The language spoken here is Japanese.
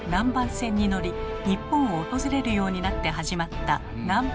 船に乗り日本を訪れるようになって始まった南蛮貿易。